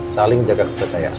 saling jaga kepercayaan